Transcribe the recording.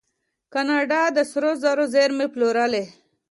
کاناډا د سرو زرو زیرمې پلورلي.